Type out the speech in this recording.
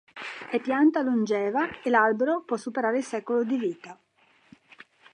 È pianta longeva e l'albero può superare il secolo di vita.